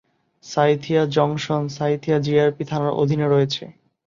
Sainthia junction Sainthia GRP থানার অধীনে রয়েছে।